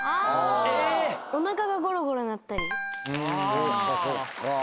そっかそっか。